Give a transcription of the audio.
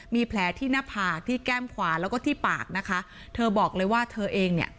มีแผลที่หน้าผากที่แก้มขวาแล้วก็ที่ปากนะคะเธอบอกเลยว่าเธอเองเนี่ย